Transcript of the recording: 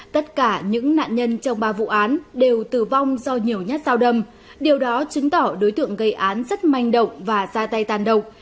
tất cả những nạn nhân trong ba vụ án đều tử vong do nhiều nhát dao đâm điều đó chứng tỏ đối tượng gây án rất manh động và ra tay tàn độc